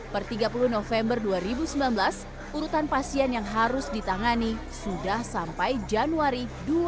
per tiga puluh november dua ribu sembilan belas urutan pasien yang harus ditangani sudah sampai januari dua ribu dua puluh